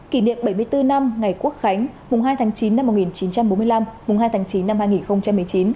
kỷ niệm bảy mươi bốn năm ngày quốc khánh mùng hai tháng chín năm một nghìn chín trăm bốn mươi năm mùng hai tháng chín năm hai nghìn một mươi chín